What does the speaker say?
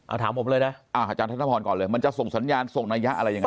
อาจารย์ธนพรก่อนเลยมันจะส่งสัญญาณส่งนัยยะอะไรยังไง